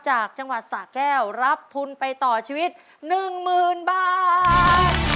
จากจังหวัดสะแก้วรับทุนไปต่อชีวิต๑๐๐๐บาท